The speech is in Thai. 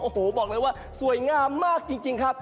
โอ้โหบอกเลยว่าสวยงามมากจริงครับ